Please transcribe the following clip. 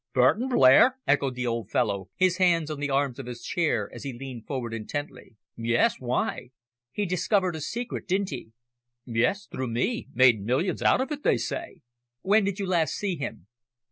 "Burton Blair!" echoed the old fellow, his hands on the arms of his chair as he leaned forward intently. "Yes, why?" "He discovered a secret, didn't he?" "Yes, through me made millions out of it, they say." "When did you last see him?"